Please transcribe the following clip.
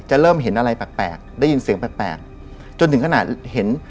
เริ่มเห็นอะไรแปลกได้ยินเสียงแปลกจนถึงขนาดเห็น